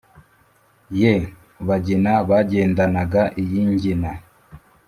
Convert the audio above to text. ye bagina bagendanaga iyi ngina